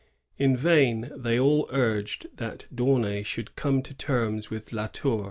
In vain they aU urged that D'Aunay should come to terms with La Tour.